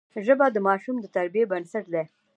ژبه د ماشوم د تربیې بنسټ دی